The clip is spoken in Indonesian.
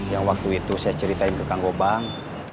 yang waktu itu saya ceritain ke kang gobang